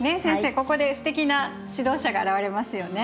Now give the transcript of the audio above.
ここですてきな指導者が現れますよね。